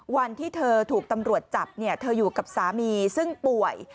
วันที่เธอถูกตำรวจจับเธออยู่กับสามีซึ่งป่วย